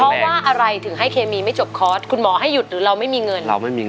เพราะว่าอะไรถึงให้เคมีไม่จบคอร์สคุณหมอให้หยุดหรือเราไม่มีเงินเราไม่มีเงิน